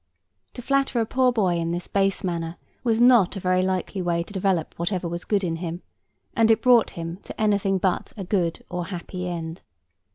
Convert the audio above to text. To flatter a poor boy in this base manner was not a very likely way to develop whatever good was in him; and it brought him to anything but a good or happy end.